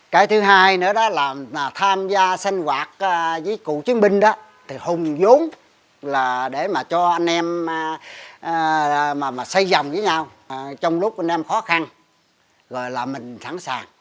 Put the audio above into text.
cái thứ hai nữa đó là tham gia sinh hoạt với cựu chiến binh đó thì hùng giống là để mà cho anh em mà xây dòng với nhau trong lúc anh em khó khăn rồi là mình sẵn sàng